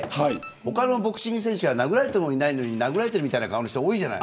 他のボクシング選手は殴られてもいないのに殴られてるみたいな顔の人多いじゃない。